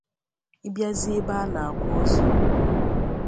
ị bịazie ebe a na-akwa ozu